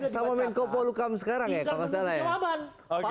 sama menko polu kam sekarang ya kalau tidak salah